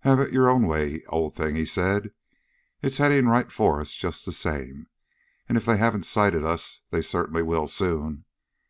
"Have it your own way, old thing," he said. "It's heading right for us just the same. And if they haven't sighted us, they certainly will soon.